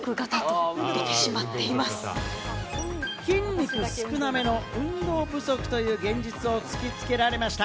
筋肉少なめの運動不足という現実を突きつけられました。